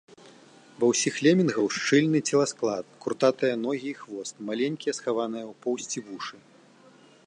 Ва ўсіх лемінгаў шчыльны целасклад, куртатыя ногі і хвост, маленькія, схаваныя ў поўсці вушы.